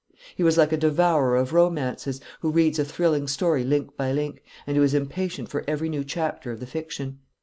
He was like a devourer of romances, who reads a thrilling story link by link, and who is impatient for every new chapter of the fiction.